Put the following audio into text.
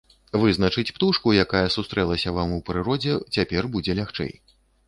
Вызначыць птушку, якая сустрэлася вам у прыродзе, цяпер будзе лягчэй.